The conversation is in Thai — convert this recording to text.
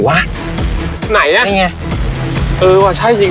ต้องทำเลที่ก่อน